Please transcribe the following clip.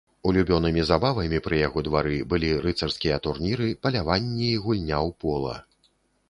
Улюблёнымі забавамі пры яго двары былі рыцарскія турніры, паляванне і гульня ў пола.